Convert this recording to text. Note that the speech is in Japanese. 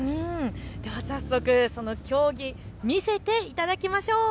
では早速その競技、見せていただきましょう。